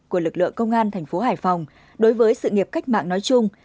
của lực lượng công an thành phố hải phòng đối với sự nghiệp cách mạng nói chung